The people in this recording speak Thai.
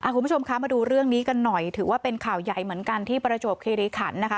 คุณผู้ชมคะมาดูเรื่องนี้กันหน่อยถือว่าเป็นข่าวใหญ่เหมือนกันที่ประจวบคิริขันนะคะ